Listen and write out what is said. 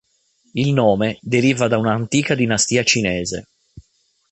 Il nome deriva da una antica dinastia cinese.